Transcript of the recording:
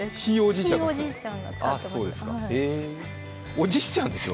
おじいちゃんでしょ？